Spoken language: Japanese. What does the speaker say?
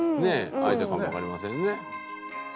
相手かもわかりませんね。